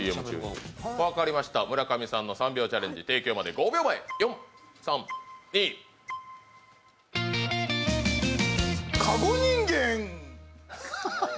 ＣＭ中にわかりました村上さんの３秒チャレンジ提供まで５秒前４カゴ人間！